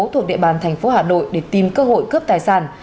thuộc địa bàn thành phố hà nội để tìm cơ hội cướp tài sản